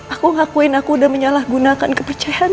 aku ngakuin aku udah menyalahgunakan kepercayaan